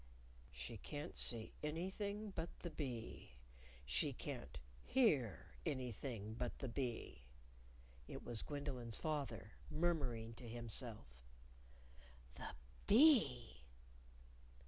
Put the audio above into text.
"She can't see anything but the bee. She can't hear anything but the bee." It was Gwendolyn's father, murmuring to himself. "_The bee!